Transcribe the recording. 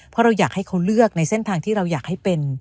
เขาเลือกในเส้นทางที่เราอยากให้เป็น